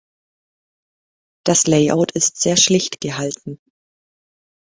Das Layout ist sehr schlicht gehalten.